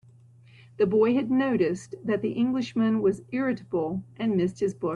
The boy had noticed that the Englishman was irritable, and missed his books.